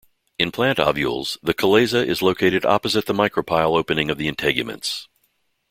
In plant ovules, the chalaza is located opposite the micropyle opening of the integuments.